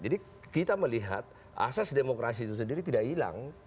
jadi kita melihat asas demokrasi itu sendiri tidak hilang